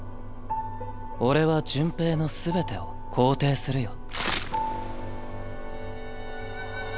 俺は順平の全てを肯定するよ。